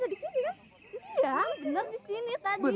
tadi ada di sini kan